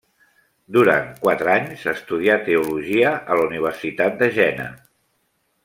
Durant quatre anys estudià teologia a la Universitat de Jena.